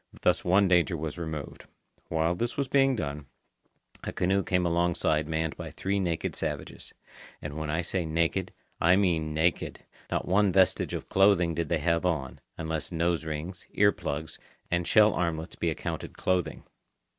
Thus one danger was removed. While this was being done, a canoe came alongside manned by three naked savages. And when I say naked, I mean naked. Not one vestige of clothing did they have on, unless nose rings, ear plugs, and shell armlets be accounted clothing.